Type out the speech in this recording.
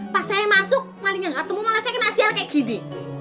pas saya masuk malingnya gak ketemu malah saya kena sial kayak gini